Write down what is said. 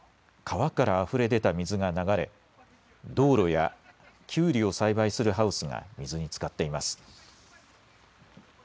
川からあふれ出た水が流れ道路やキュウリを栽培するハウスが水につかっています。